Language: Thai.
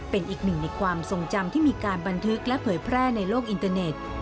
เป็นอีกหนึ่งในความทรงจำที่มีการบันทึกและเผยแพร่ในโลกอินเตอร์เน็ต